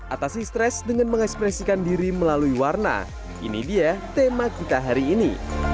atasi stres dengan mengekspresikan diri melalui warna ini dia tema kita hari ini